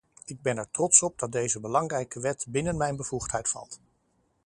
Ik ben er trots op dat deze belangrijke wet binnen mijn bevoegdheid valt.